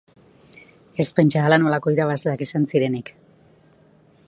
Ez pentsa halanolako irabazleak izan zirenik.